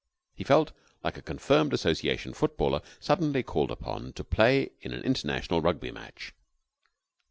He felt like a confirmed Association footballer suddenly called upon to play in an International Rugby match.